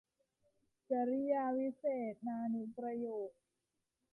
กริยาวิเศษณานุประโยค